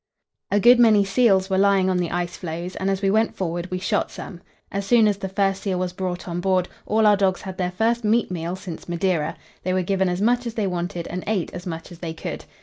A good many seals were lying on the ice floes, and as we went forward we shot some. As soon as the first seal was brought on board, all our dogs had their first meat meal since Madeira; they were given as much as they wanted, and ate as much as they could.